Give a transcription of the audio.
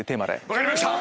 分かりました！